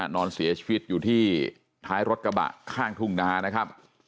นอนเสียชีวิตอยู่ที่ท้ายรถกระบะข้างทุ่งนานะครับ